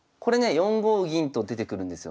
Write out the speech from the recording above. ４五銀と出てくるんですよ